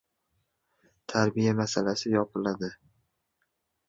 tarbiya masalasi yopiladi